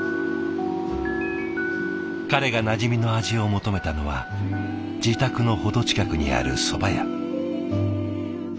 彼がなじみの味を求めたのは自宅の程近くにあるそば屋。